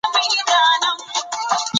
ستوري ځلېږي.